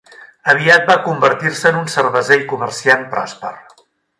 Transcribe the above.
Aviat va convertir-se en un cerveser i comerciant pròsper.